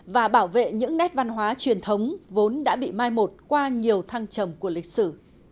và bảo vệ những nét văn hóa truyền thống vốn đã bị mai một qua nhiều thăng trầm của lịch sử